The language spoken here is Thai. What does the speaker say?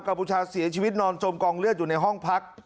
บูชาเสียชีวิตนอนจมกองเลือดอยู่ในห้องพัก